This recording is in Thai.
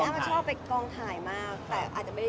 เราก็ตื่นตรงนั้นมาตี๕